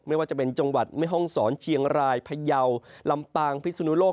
ไม่ว่าจะเป็นจังหวัดแม่ห้องศรเชียงรายพยาวลำปางพิสุนุโลก